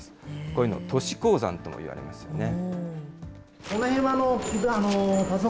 こういうのを都市鉱山ともいわれますよね。